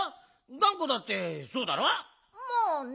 がんこだってそうだろ？まあね。